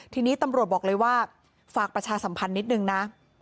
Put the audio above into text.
ทีนี้ตำรวจบอกเลยว่าฝากประชาสัมพันธ์นิดนึงนะ